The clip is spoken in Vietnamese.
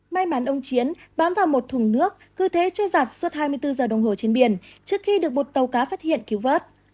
may mắn ông chiến bám vào một thùng nước cứ thế trôi giặt suốt hai mươi bốn giờ đồng hồ trên biển trước khi được một tàu cá phát hiện cứu vớt